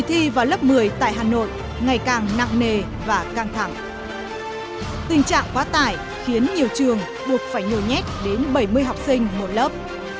tình trạng quá tải khiến nhiều trường buộc phải nhồi nhét đến bảy mươi học sinh một lớp